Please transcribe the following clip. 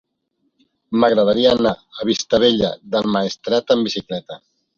M'agradaria anar a Vistabella del Maestrat amb bicicleta.